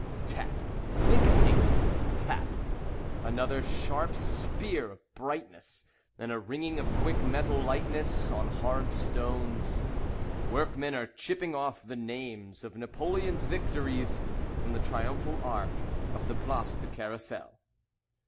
Tap! Clink a tink! Tap! Another sharp spear Of brightness, And a ringing of quick metal lightness On hard stones. Workmen are chipping off the names of Napoleon's victories From the triumphal arch of the Place du Carrousel.